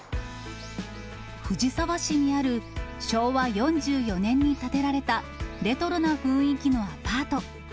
藤沢市にある昭和４４年に建てられたレトロな雰囲気のアパート。